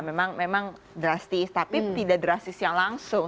memang drastis tapi tidak drastis yang langsung